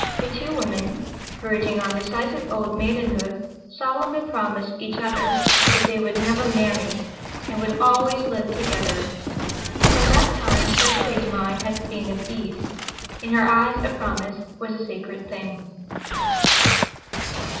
The two women, verging on decisive old maidenhood, solemnly promised each other that they would never marry, and would always live together. From that time Cecily's mind had been at ease. In her eyes a promise was a sacred thing.